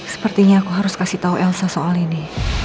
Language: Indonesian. sepertinya aku harus kasih tahu elsa soal ini